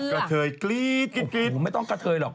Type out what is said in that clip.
กระเทยกรี๊ดกรี๊ดกรี๊ด